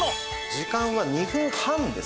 時間は２分半です。